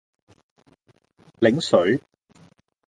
檸水